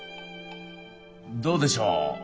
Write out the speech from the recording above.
どうでしょう。